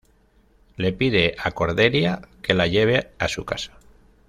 Le pide a Cordelia que la lleve a su casa.